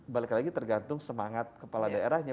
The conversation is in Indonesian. balik lagi tergantung semangat kepala daerahnya